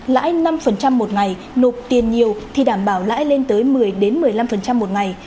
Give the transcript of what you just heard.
lãi năm một ngày nộp tiền nhiều thì đảm bảo lãi lên tới một mươi một mươi năm một ngày